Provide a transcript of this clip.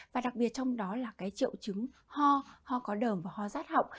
và đặc biệt trong đó là cái triệu chứng ho ho có đờm và ho rát họng